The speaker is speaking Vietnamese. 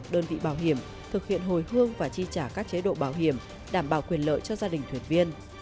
đơn vị bảo hiểm thực hiện hồi hương và chi trả các chế độ bảo hiểm đảm bảo quyền lợi cho gia đình thuyền viên